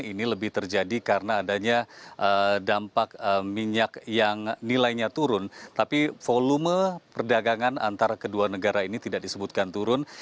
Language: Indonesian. ini lebih terjadi karena adanya dampak minyak yang nilainya turun tapi volume perdagangan antara kedua negara ini tidak disebutkan turun